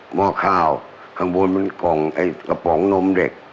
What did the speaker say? ห้อข้าวข้างบนมันกล่องไอ้กระป๋องนมเด็ก